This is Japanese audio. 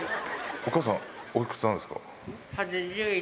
お母さん、おいくつなんです８１。